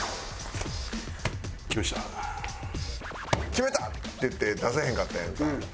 「決めた！」って言って出せへんかったやんか。